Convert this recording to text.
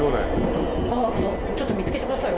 ちょっと見つけてくださいよ。